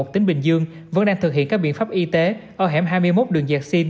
tỉnh bình dương vẫn đang thực hiện các biện pháp y tế ở hẻm hai mươi một đường dây xin